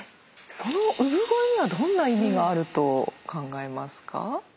その産声にはどんな意味があると考えますか？